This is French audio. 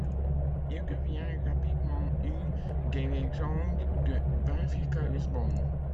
Il devient rapidement une des légendes du Benfica Lisbonne.